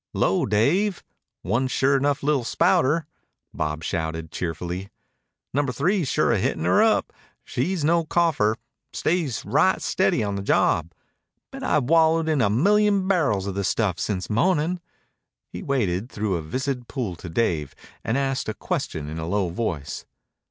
"'Lo, Dave! One sure enough little spouter!" Bob shouted cheerfully. "Number Three's sure a hittin' her up. She's no cougher stays right steady on the job. Bet I've wallowed in a million barrels of the stuff since mo'nin'." He waded through a viscid pool to Dave and asked a question in a low voice.